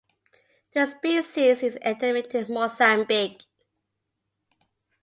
The species is endemic to Mozambique.